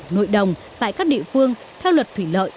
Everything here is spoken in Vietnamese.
nội đồng tại các địa phương theo luật thủy lợi